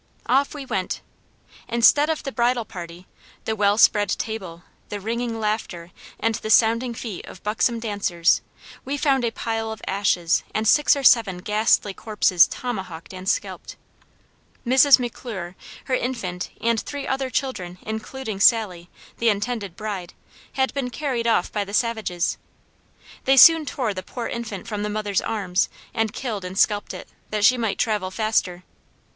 Off we went. Instead of the bridal party, the well spread table, the ringing laughter, and the sounding feet of buxom dancers, we found a pile of ashes and six or seven ghastly corpses tomahawked and scalped." Mrs. McClure, her infant, and three other children, including Sally, the intended bride, had been carried off by the savages. They soon tore the poor infant from the mother's arms and killed and scalped it, that she might travel faster.